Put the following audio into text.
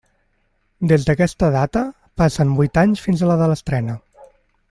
Des d'aquesta data, passen vuit anys fins a la de l'estrena.